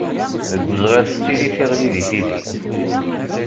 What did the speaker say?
Deg uzɣal tettili tiɣli di Tizi.